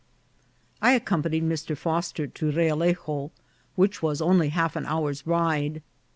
I accompanied Mr. Foster to Realejo, which was only half an hour's ride.